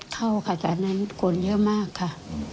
ตอนเนื่องค่ะ